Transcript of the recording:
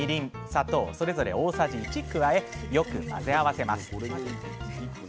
砂糖それぞれ大さじ１加えよく混ぜ合わせますえ？